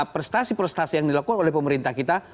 prestasi prestasi yang dilakukan oleh pemerintah kita